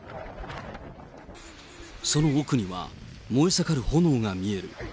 その奥には、燃え盛る炎が見える。